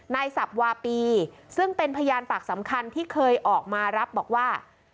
สับวาปีซึ่งเป็นพยานปากสำคัญที่เคยออกมารับบอกว่า